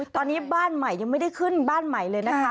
ตอนนี้บ้านใหม่ยังไม่ได้ขึ้นบ้านใหม่เลยนะคะ